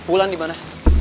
ulan di mana